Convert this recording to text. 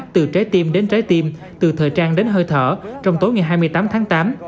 từ trái tim đến trái tim từ thời trang đến hơi thở trong tối ngày hai mươi tám tháng tám